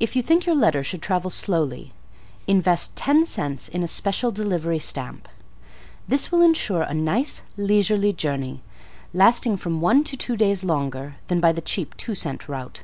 If you think your letter should travel slowly, invest ten cents in a Special Delivery Stamp. This will insure a nice, leisurely journey, lasting from one to two days longer than by the cheap two cent route.